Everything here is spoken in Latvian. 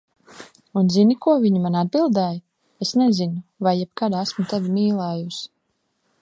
Un zini, ko viņa man atbildēja, "Es nezinu, vai jebkad esmu tevi mīlējusi."